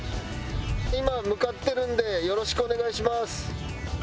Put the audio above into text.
今向かってるんでよろしくお願いします。